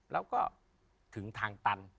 แล้วก็ถึงทางตัน